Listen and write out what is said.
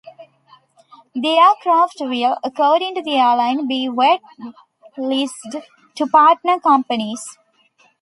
The aircraft will, according to the airline, be wet-leased to partner companies.